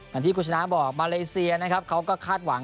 อย่างที่คุณชนะบอกมาเลเซียนะครับเขาก็คาดหวัง